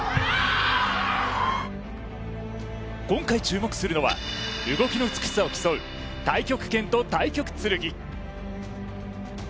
今回注目するのは、動きの美しさを競う太極拳と太極剣。